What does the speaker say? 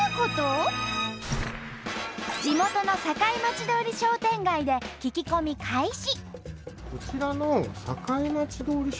地元の堺町通り商店街で聞き込み開始！